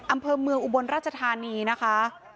อำเภอเมืองอุบลราชธานีนะคะ